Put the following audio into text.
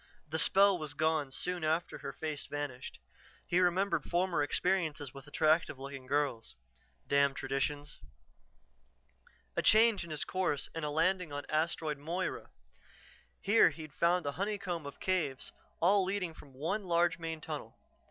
The spell was gone soon after her face vanished; he remembered former experiences with attractive looking girls. Damn traditions! A change in his course and a landing on Asteroid Moira. Here he'd found a honeycomb of caves, all leading from one large main tunnel.